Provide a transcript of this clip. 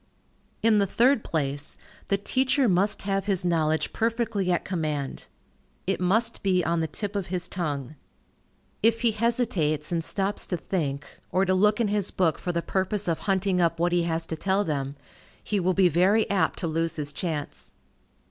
In the third place, the teacher must have his knowledge perfectly at command. It must be on the tip of his tongue. If he hesitates, and stops to think, or to look in his book for the purpose of hunting up what he has to tell them, he will be very apt to lose his chance.